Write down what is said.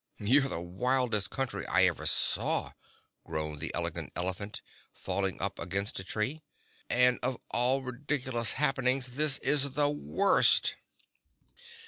"You're the wildest Country I ever saw," groaned the Elegant Elephant, falling up against a tree. "And of all ridiculous happenings this is the worst!"